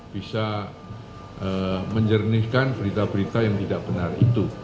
bisa menjernihkan berita berita yang tidak benar itu